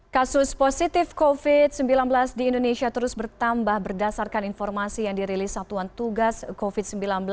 kasus positif covid sembilan belas di indonesia terus bertambah berdasarkan informasi yang dirilis satuan tugas covid sembilan belas